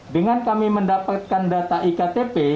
dengan kami mendapatkan data iktp